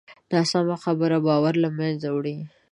ناسمه خبره باور له منځه وړي